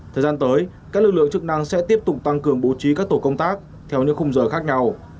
thời gian tới các lực lượng chức năng sẽ tiếp tục tăng cường bố trí các tổ công tác theo những khung giờ khác nhau